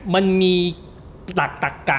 มันมีหลักตักกะ